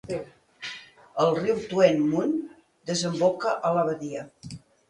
El riu Tuen Mun desemboca a la badia.